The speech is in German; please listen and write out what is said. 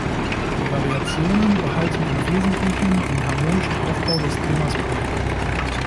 Die Variationen behalten im Wesentlichen den harmonischen Aufbau des Themas bei.